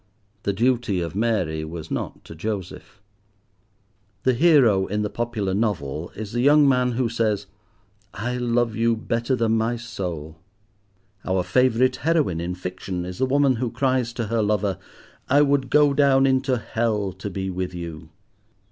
The duty of Mary was not to Joseph. The hero in the popular novel is the young man who says, "I love you better than my soul." Our favourite heroine in fiction is the woman who cries to her lover, "I would go down into Hell to be with you."